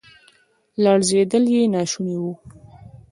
لړزیدل یې ناشوني وو.